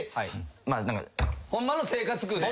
ホンマの生活苦で？